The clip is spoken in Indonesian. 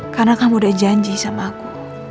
karena kamu udah janji sama aku